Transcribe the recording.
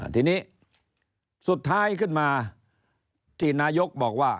ทีนี้สุดท้ายขึ้นมาที่นายกบอกว่า